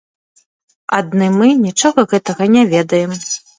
Адны мы нічога гэтага не ведаем!